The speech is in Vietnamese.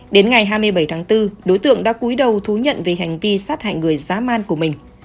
đến ngày hai mươi bảy tháng bốn đối tượng đã cuối đầu thú nhận về hành vi sát hại người giá man của mình